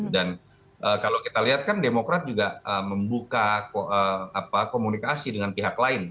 dan kalau kita lihat kan demokrat juga membuka komunikasi dengan pihak lain